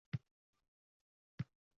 Kuylasam tunu kun suluvlaringni